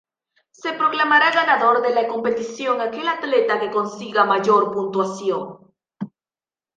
Se proclamará ganador de la competición aquel atleta que consiga mayor puntuación.